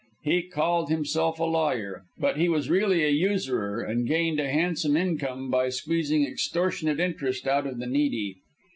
He called himself a lawyer, but he was really a usurer, and gained a handsome income by squeezing extortionate interest out of the needy.